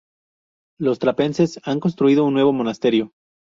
Los trapenses han construido un nuevo monasterio.